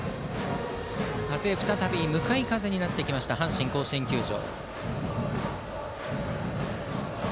風が再び向かい風になってきた阪神甲子園球場。